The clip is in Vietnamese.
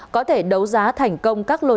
có thể đấu giá thành công các lô đề